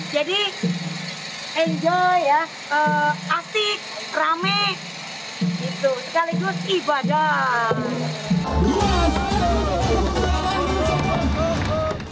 jadi enjoy ya asik rame sekaligus ibadah